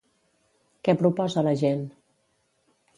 Què proposa la gent?